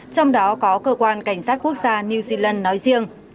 trong đó có cơ quan cảnh sát quốc gia new zealand nói riêng